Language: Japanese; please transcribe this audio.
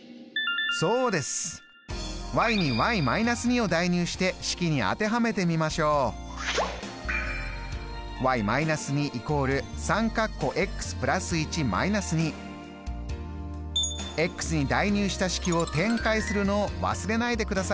そうです！に−２を代入して式に当てはめてみましに代入した式を展開するのを忘れないでくださいね。